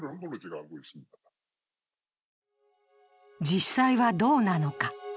実際はどうなのか？